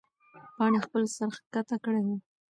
پاڼې خپل سر ښکته کړی و.